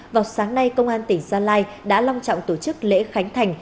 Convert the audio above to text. vào sáng nay công an tỉnh gia lai đã long trọng tổ chức lễ khánh thành